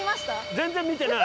全然見てない。